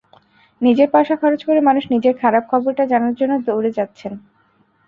নিজের পয়সা খরচ করে মানুষ নিজের খারাপ খবরটা জানার জন্য দৌড়ে যাচ্ছেন।